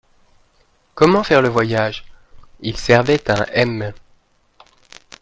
Comment faire le voyage ? Il servait un M.